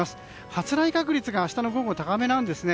発雷確率が明日の午後、高めなんです。